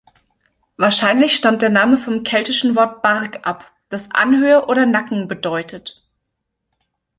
Wahrscheinlich stammt der Name vom keltischen Wort "barg" ab, das „Anhöhe“ oder „Nacken“ bedeutet.